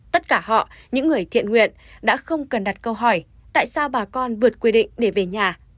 tất cả họ những người thiện nguyện đã không cần đặt câu hỏi tại sao bà con vượt quy định